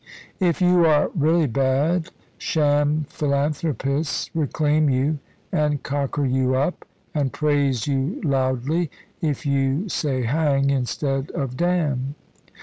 If you are really bad, sham philanthropists reclaim you and cocker you up, and praise you loudly if you say 'Hang' instead of 'Damn!'